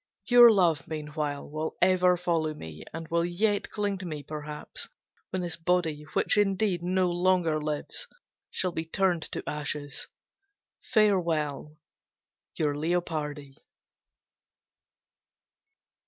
Your love, meanwhile, will ever follow me, and will yet cling to me, perhaps, when this body, which, indeed, no longer lives, shall be turned to ashes. Farewell! Your Leopardi.